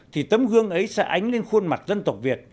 thì tấm gương ấy sẽ ánh lên khuôn mặt dân tộc việt